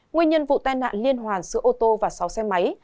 nguyên nhân vụ tên hạn liên hoàn giữa ô tô và sáu xe máy